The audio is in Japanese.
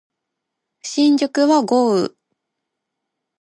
新宿は豪雨